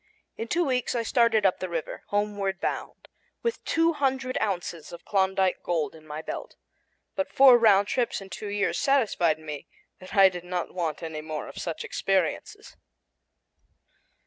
In two weeks I started up the river, homeward bound, with two hundred ounces of Klondike gold in my belt. But four round trips in two years satisfied me that I did not want any more of such experiences.